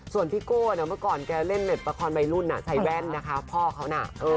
ส่วนพี่โก้เมื่อก่อนแกเล่นเน็ตประคอนใบรุ่นใส่แว่นพ่อเขานะ